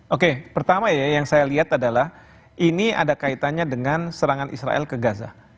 oke pertama ya yang saya lihat adalah ini ada kaitannya dengan serangan israel ke gaza